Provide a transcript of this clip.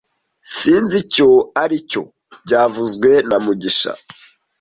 Sinzi icyo aricyo byavuzwe na mugisha